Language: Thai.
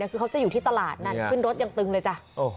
คือเขาจะอยู่ที่ตลาดนั่นขึ้นรถยังตึงเลยจ้ะ